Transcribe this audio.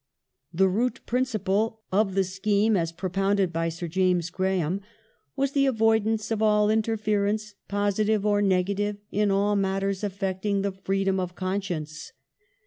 The root principle of the scheme as propounded by Sir James Graham was " the avoidance of all interference positive or negative in all matters affecting the freedom of conscience".